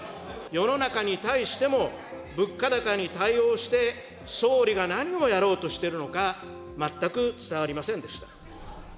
世の中に対しても、物価高に対応して、総理が何をやろうとしているのか、全く伝わりませんでした。